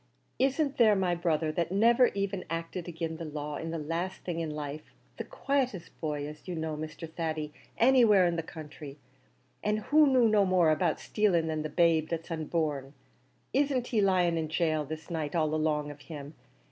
Isn't there my brother, that niver even acted agin the laws in the laste thing in life, the quietest boy, as you know, Mr. Thady, anywhere in the counthry, an' who knew no more about stilling than the babe that's unborn; isn't he lying in gaol this night all along of him?